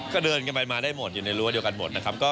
ก็เดินกันไปมาได้หมดอยู่ในรั้วเดียวกันหมดนะครับ